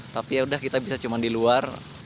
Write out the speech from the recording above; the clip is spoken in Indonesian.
tapi yaudah kita bisa cuma di luar